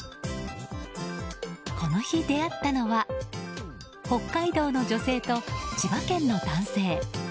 この日出会ったのは北海道の女性と千葉県の男性。